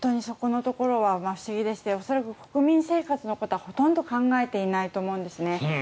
そこのところは不思議でして恐らく国民生活のことはほとんど考えていないと思うんですね。